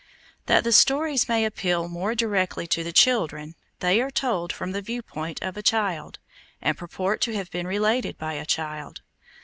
That the stories may appeal more directly to the children, they are told from the viewpoint of a child, and purport to have been related by a child.